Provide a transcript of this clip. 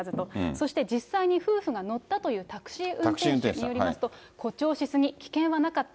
そして実際に夫婦が乗ったというタクシー運転手によりますと、誇張しすぎ、危険はなかった。